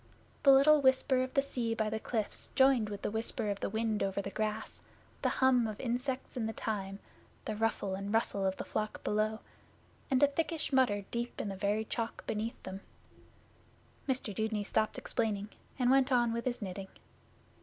The little whisper of the sea by the cliffs joined with the whisper of the wind over the grass, the hum of insects in the thyme, the ruffle and rustle of the flock below, and a thickish mutter deep in the very chalk beneath them. Mr Dudeney stopped explaining, and went on with his knitting.